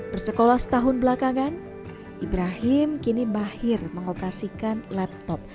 bersekolah setahun belakangan ibrahim kini mahir mengoperasikan laptop